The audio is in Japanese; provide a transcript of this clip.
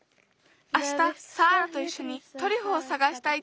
あしたサーラといっしょにトリュフをさがしたいって。